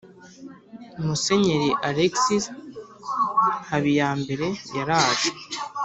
musenyeri alexis habiyambere yaraje